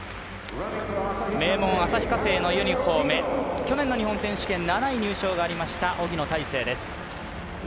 名門・旭化成のユニフォーム、去年の日本選手権７位入賞がありました荻野太成です。